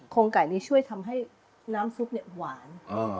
งไก่นี้ช่วยทำให้น้ำซุปเนี่ยหวาน